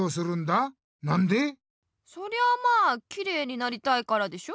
そりゃまあきれいになりたいからでしょ？